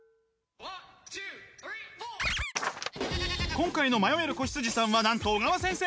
今回の迷える子羊さんはなんと小川先生！